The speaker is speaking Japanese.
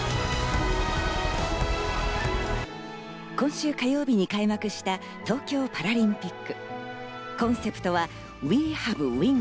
今週火曜日に開幕した東京パラリンピック。